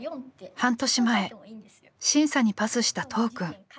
半年前審査にパスした都央くん。